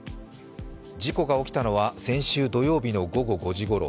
事故が起きたのは先週土曜日の午後５時ごろ。